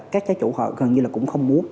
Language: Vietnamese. các cái chủ họ gần như là cũng không muốn